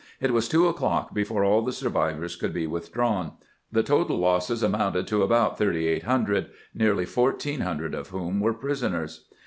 It was two o'clock before all the survivors could be withdrawn. The total losses amounted to about thirty eight hundred, nearly fourteen hundred of whom were prisoners.